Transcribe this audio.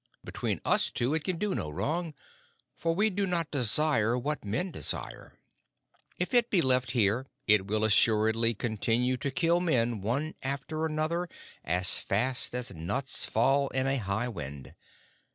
Between us two it can do no wrong, for we do not desire what men desire. If it be left here, it will assuredly continue to kill men one after another as fast as nuts fall in a high wind.